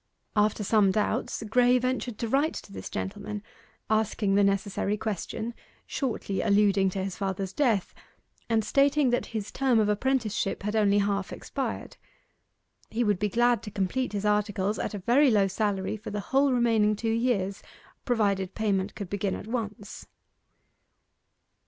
After some doubts, Graye ventured to write to this gentleman, asking the necessary question, shortly alluding to his father's death, and stating that his term of apprenticeship had only half expired. He would be glad to complete his articles at a very low salary for the whole remaining two years, provided payment could begin at once.